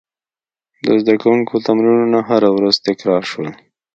د زده کوونکو تمرینونه هره ورځ تکرار شول.